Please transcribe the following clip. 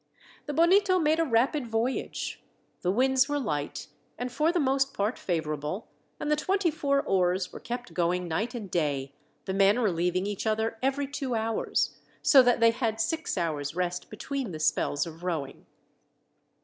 The Bonito made a rapid voyage. The winds were light, and for the most part favourable, and the twenty four oars were kept going night and day, the men relieving each other every two hours, so that they had six hours' rest between the spells of rowing.